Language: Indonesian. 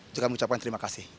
juga kami ucapkan terima kasih